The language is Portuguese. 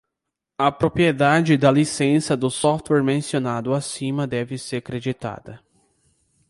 A propriedade da licença do software mencionado acima deve ser creditada.